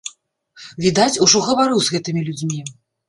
Відаць, ужо гаварыў з гэтымі людзьмі.